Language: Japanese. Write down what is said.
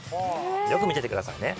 よく見ててくださいね。